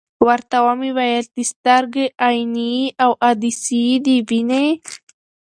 ورته ومي ویل: د سترګي عینیې او عدسیې دي وینې ؟